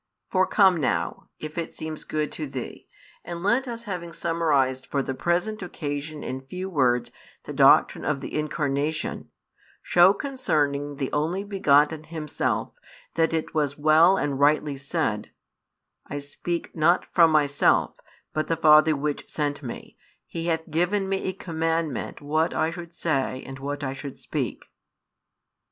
For come now, if it seems good to thee, and let us, having summarized for the present occasion in few words the doctrine of the Incarnation, shew concerning the Only Begotten Himself that it was well and rightly said: I speak not from Myself; but the Father which sent Me, He hath given Me a commandment what I should say and what I should speak.